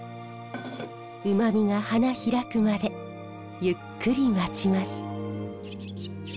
うまみが花開くまでゆっくり待ちます。